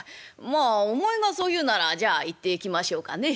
まあお前がそう言うならじゃあ行ってきましょうかね。